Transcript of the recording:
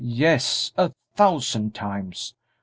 Yes, a thousand times!